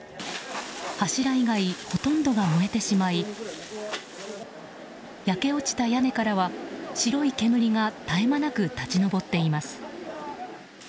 柱以外、ほとんどが燃えてしまい焼け落ちた屋根からは白い煙が絶え間なく立ち上っています。